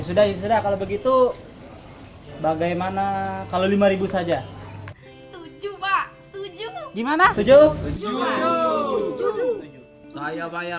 sudah kalau begitu bagaimana kalau lima ribu saja setuju pak setuju gimana tujuh tujuh saya bayar